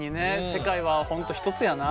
世界は本当一つやな。